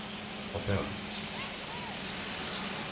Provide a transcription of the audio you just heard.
O peor?